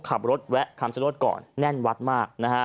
ขับรถแวะคำชะโน้ทก่อนแน่นวัดมาก